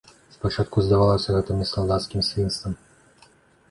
Спачатку здавалася гэта мне салдацкім свінствам.